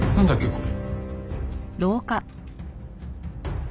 これ。